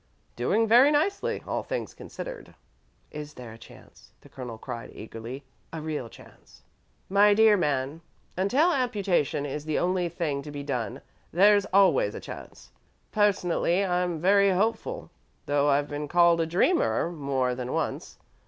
"Doing very nicely, all things considered." "Is there a chance?" the Colonel cried, eagerly; "a real chance?" "My dear man, until amputation is the only thing to be done, there's always a chance. Personally, I'm very hopeful, though I've been called a dreamer more than once.